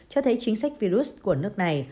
cho thấy chính sách virus của nước này